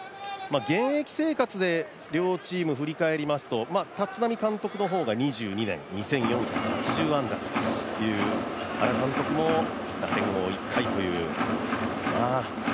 現役生活で両チーム振り返りますと立浪監督の２０２２年、２４８０安打と原監督も打点王という。